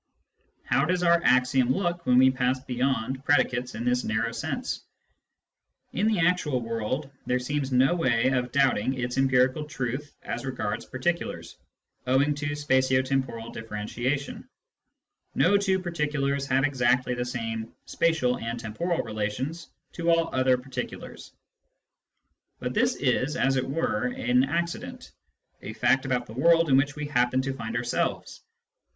How does our axiom look when we pass beyond pre dicates in this narrow sense ? In the actual world there seems no way of doubting its empirical truth as regards particulars, owing to spatio temporal differentiation : no two particulars have exactly the same spatial and temporal relations to all other particulars. But this is, as it were, an accident, a fact about the world in which we happen to find ourselves.